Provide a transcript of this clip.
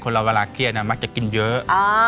ในอภิกายจะมีความเครียดคนนะเวลาเครียดมักจะกินเยอะ